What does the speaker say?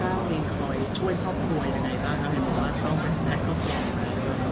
หรือว่าก้าวเป็นคนทักครอบครัวอย่างไรบ้าง